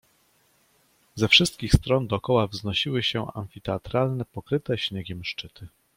"Ze wszystkich stron dokoła wznosiły się amfiteatralnie pokryte śniegiem szczyty."